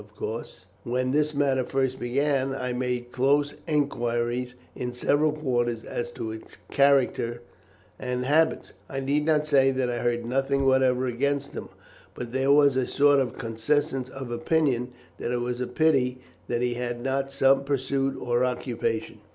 Of course, when this matter first began, I made close enquiries in several quarters as to his character and habits. I need not say that I heard nothing whatever against him; but there was a sort of consensus of opinion that it was a pity that he had not some pursuit or occupation.